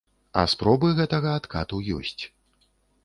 А спробы гэтага адкату ёсць.